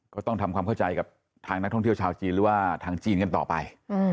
ก็ต้องทำความเข้าใจกับทางนักท่องเที่ยวชาวจีนหรือว่าทางจีนกันต่อไป